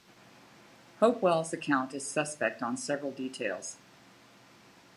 Hopewell's account is suspect on several details.